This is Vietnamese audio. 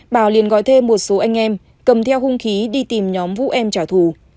bảo liền gọi thêm một số anh em cầm theo hung khí đi tìm nhóm vũ em trả thù